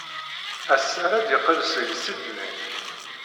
Ass-a ara d-yeqqel seg Sidney.